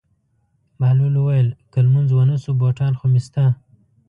بهلول وویل: که لمونځ ونه شو بوټان خو مې شته.